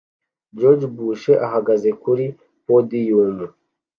George Bush ahagaze kuri podium